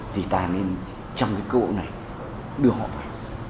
thì ta nên trong cái cơ hội này đưa họ về